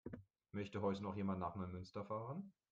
Möchte heute noch jemand nach Neumünster fahren?